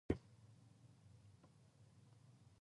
په دې پروژه کې نهه پنځوس کسان ګډون لري.